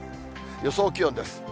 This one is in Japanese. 予想気温です。